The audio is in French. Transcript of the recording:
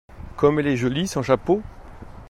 Comme elle est jolie sans chapeau !